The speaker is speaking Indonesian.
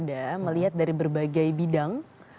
ada yang ada melihat dari berbagai bidang